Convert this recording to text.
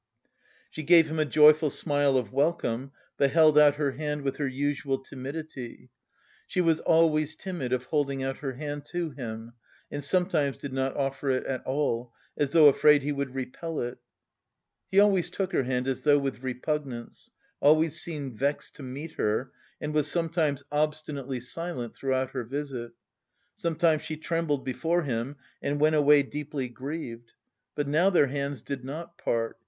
She gave him a joyful smile of welcome, but held out her hand with her usual timidity. She was always timid of holding out her hand to him and sometimes did not offer it at all, as though afraid he would repel it. He always took her hand as though with repugnance, always seemed vexed to meet her and was sometimes obstinately silent throughout her visit. Sometimes she trembled before him and went away deeply grieved. But now their hands did not part.